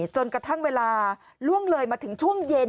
จนกระทั่งเวลาล่วงเลยมาถึงช่วงเย็น